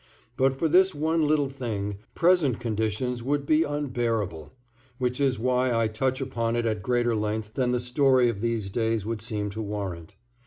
But for this one little thing, present conditions would be unbearable, which is why I touch upon it at greater length than the story of these days would seem to warrant.